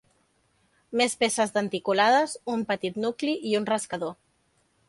Més peces denticulades, un petit nucli i un rascador.